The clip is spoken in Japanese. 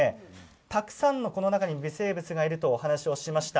たくさんの微生物がいるとお話ししました。